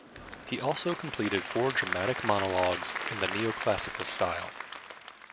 He also completed four dramatic monologues, in the neoclassical style.